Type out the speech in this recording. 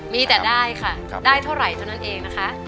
มีแต่ได้ค่ะได้เท่าไหร่เท่านั้นเองนะคะ